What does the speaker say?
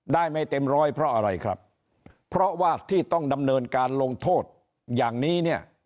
ไม่เต็มร้อยเพราะอะไรครับเพราะว่าที่ต้องดำเนินการลงโทษอย่างนี้เนี่ย